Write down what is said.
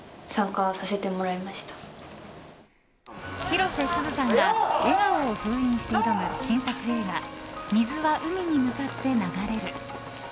広瀬すずさんが笑顔を封印して挑む新作映画「水は海に向かって流れる」。